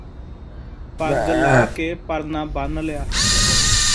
ਪੱਗ ਲਾਹ ਕੇ ਪਰਨਾਂ ਬੰਨ੍ਹ ਲਿਆ